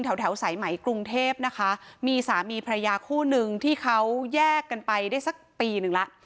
แถวแถวสายไหมกรุงเทพนะคะมีสามีพระยาคู่นึงที่เขาแยกกันไปได้สักปีหนึ่งแล้ว